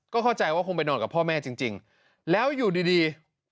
เข้าใจว่าคงไปนอนกับพ่อแม่จริงแล้วอยู่ดี